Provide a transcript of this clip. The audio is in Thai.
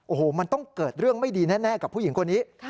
โอ้โหมันต้องเกิดเรื่องไม่ดีแน่กับผู้หญิงคนนี้